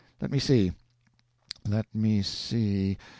Let me see... let me see....